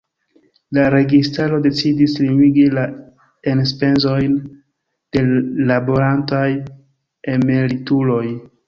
La registaro decidis limigi la enspezojn de laborantaj emerituloj.